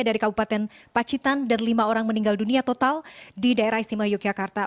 dari kabupaten pacitan dan lima orang meninggal dunia total di daerah istimewa yogyakarta